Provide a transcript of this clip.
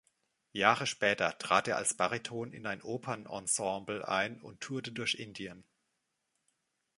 Jahre später trat er als Bariton in ein Opernensemble ein und tourte durch Indien.